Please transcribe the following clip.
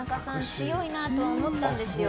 強いなとは思ったんですよ。